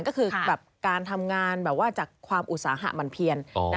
ก็คือแบบการทำงานแบบว่าจากความอุตสาหะหมั่นเพียน